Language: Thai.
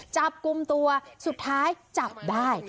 จับกลุ่มตัวสุดท้ายจับได้